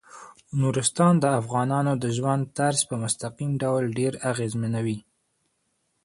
نورستان د افغانانو د ژوند طرز په مستقیم ډول ډیر اغېزمنوي.